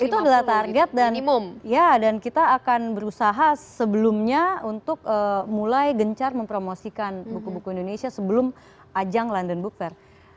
itu adalah target dan kita akan berusaha sebelumnya untuk mulai gencar mempromosikan buku buku indonesia sebelum ajang london book fair